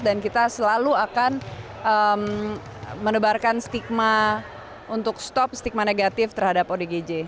dan kita selalu akan menebarkan stigma untuk stop stigma negatif terhadap odgj